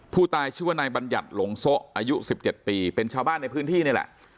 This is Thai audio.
ผู้ตายชื่อว่านายบัญญัติหลงโซะอายุ๑๗ปีเป็นชาวบ้านในพื้นที่นี่แหละ